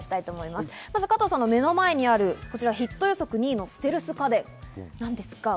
まず加藤さんの目の前にあるヒット予測２位のステルス家電。